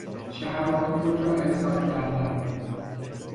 شهوات خود را ارضا کردن